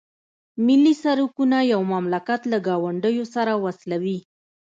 ملي سرکونه یو مملکت له ګاونډیو سره وصلوي